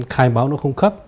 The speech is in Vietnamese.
khai báo nó không khớp